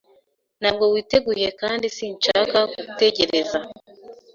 Ntabwo witeguye kandi sinshaka gutegereza.